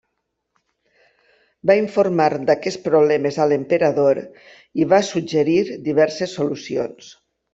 Va informar d'aquests problemes a l'emperador i va suggerir diverses solucions.